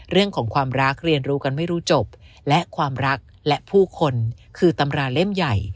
เรื่องของความรักเรียนรู้กันไม่รู้จบและความรักและผู้คนคือตำราเล่มใหญ่